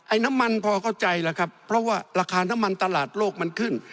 น้ำมันพอเข้าใจแล้วครับเพราะว่าราคาน้ำมันตลาดโลกมันขึ้น